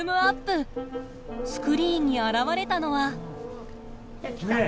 スクリーンに現れたのは。